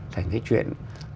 thành cái chuyện